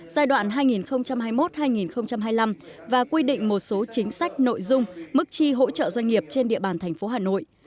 giai đoạn hai nghìn hai mươi một hai nghìn hai mươi năm và quy định một số chính sách nội dung mức chi hỗ trợ doanh nghiệp trên địa bàn thành phố hà nội